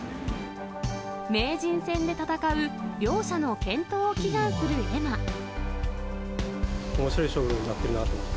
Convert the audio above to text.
名人戦で戦う両者の健闘を祈おもしろい勝負になってるなと。